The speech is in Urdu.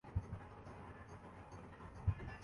معنی بیان کئے جا چکے ہیں۔